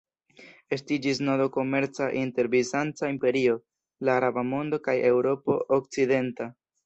Estiĝis nodo komerca inter Bizanca imperio, la araba mondo kaj Eŭropo okcidenta.